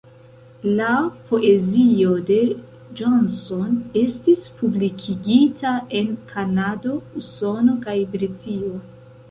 La poezio de Johnson estis publikigita en Kanado, Usono kaj Britio.